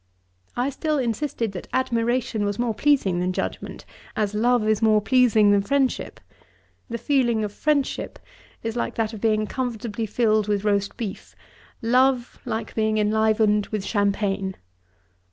I still insisted that admiration was more pleasing than judgement, as love is more pleasing than friendship. The feeling of friendship is like that of being comfortably filled with roast beef; love, like being enlivened with champagne.